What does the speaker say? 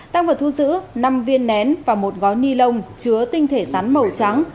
tăng vật thu giữ năm viên nén và một gói ni lông chứa tinh thể rắn màu trắng